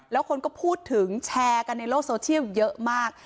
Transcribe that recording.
แล้วคนก็พูดถึงแชร์กันในโลกโซเชียลเยอะมาก